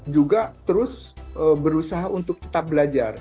juga terus berusaha untuk tetap belajar